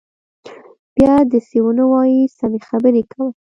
بيا دسې ونه وايي سمې خبرې کوه.